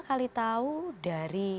kali tahu dari